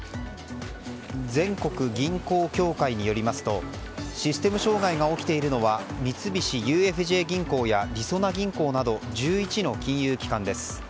全国銀行協会によりますとシステム障害が起きているのは三菱ＵＦＪ銀行やりそな銀行など１１の金融機関です。